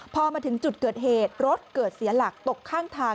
พอมาถึงจุดเกิดเหตุรถเกิดเสียหลักตกข้างทาง